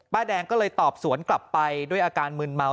แดงก็เลยตอบสวนกลับไปด้วยอาการมืนเมา